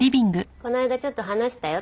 この間ちょっと話したよ